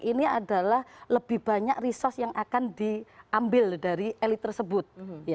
ini adalah lebih banyak resource yang akan diambil dari elit tersebut